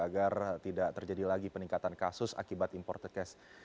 agar tidak terjadi lagi peningkatan kasus akibat imported case